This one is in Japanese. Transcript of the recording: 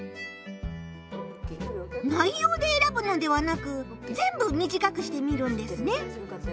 ないようでえらぶのではなく全部短くしてみるんですね。